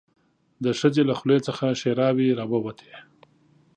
د ښځې له خولې څخه ښيراوې راووتې.